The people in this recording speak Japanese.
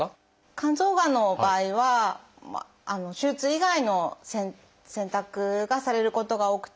肝臓がんの場合は手術以外の選択がされることが多くて。